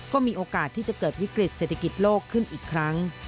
ก็มีโอกาสที่จะเกิดวิกฤตเศรษฐกิจโลกขึ้นอีกครั้ง